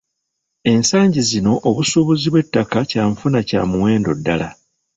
Ensangi zino obusuubuzi bw’ettaka kyanfuna kya muwendo ddala.